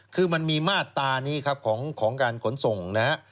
คือมันมีมาตรานี้ครับของการขนส่งนะฮะ